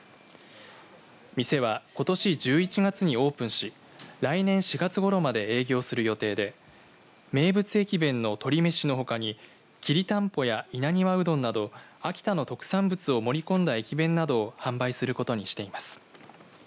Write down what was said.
店は、ことし１１月にオープンし来年４月ごろまで営業する予定で名物駅弁の鶏めしのほかにきりたんぽや稲庭うどんなど秋田の特産物を盛り込んだ駅弁などを販売することにしています。